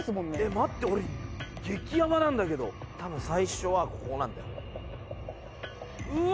待って俺ゲキヤバなんだけどたぶん最初はここなんだようわ